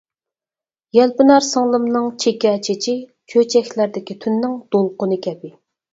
يەلپۈنەر سىڭلىمنىڭ چېكە چېچى چۆچەكلەردىكى تۈننىڭ دولقۇنى كەبى.